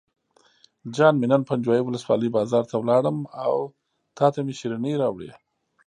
جان مې نن پنجوایي ولسوالۍ بازار ته لاړم او تاته مې شیرینۍ راوړې.